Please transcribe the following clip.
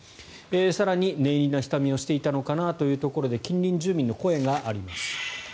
更に、念入りな下見をしていたのかなというところで近隣住民の声があります。